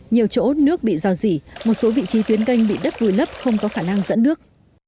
nhiều chỗ nước bị rào rỉ một số vị trí tuyến kênh bị đất vùi lấp không có khả năng dẫn nước